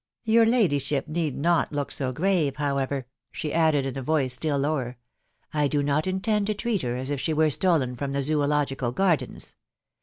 ... Your ladyship need not look so grave, however," she added, in a voice still lower. " I do not intend to treat her as if she were stolen from the Zoological Gardens.